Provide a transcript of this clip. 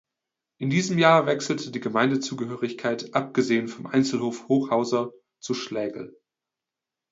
In diesem Jahr wechselte die Gemeindezugehörigkeit abgesehen vom Einzelhof Hochhauser zu Schlägl.